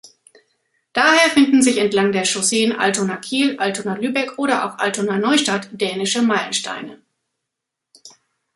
Daher finden sich entlang der Chausseen Altona-Kiel, Altona-Lübeck oder auch Altona-Neustadt dänische Meilensteine.